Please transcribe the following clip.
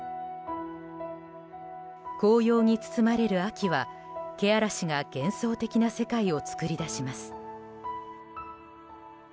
紅葉に包まれる秋はけあらしが幻想的な世界を作り出します。